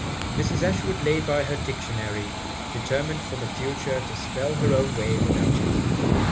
Mrs. Ashwood laid by her dictionary, determined for the future to spell her own way without it.